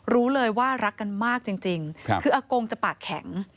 รู้เลยว่ารักกันมากจริงคืออากงจะปากแข็ง